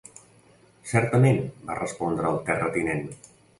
"Certament", va respondre el terratinent.